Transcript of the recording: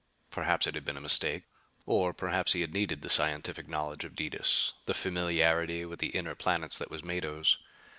Perhaps it had been a mistake. Or perhaps he had needed the scientific knowledge of Detis, the familiarity with the inner planets that was Mado's.